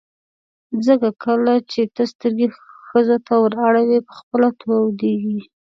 ځکه کله چې ته سترګې ښځو ته ور اړوې په خپله تودېږي.